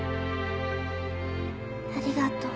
ありがとう。